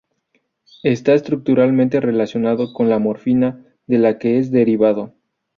Está estructuralmente relacionado con la morfina, de la que es derivado.